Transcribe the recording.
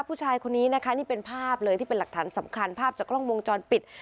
ผู้ชายคนนี้นะคะนี่เป็นภาพเลยที่เป็นหลักฐานสำคัญภาพจากกล้องวงจรปิด